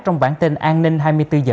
trong bản tin an ninh hai mươi bốn h